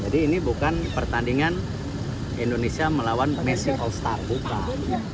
dan indonesia melawan messi all star bukalanya